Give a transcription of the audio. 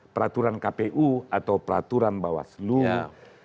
peraturan kpu atau peraturan bawah seluruh